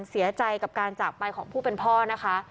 เสียใจกับการจากไปของผู้เป็นพ่อนะคะ